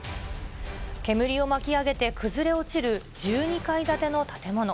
煙を巻き上げて崩れ落ちる１２階建ての建物。